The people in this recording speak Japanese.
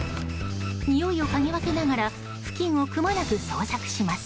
においをかぎ分けながら付近をくまなく捜索します。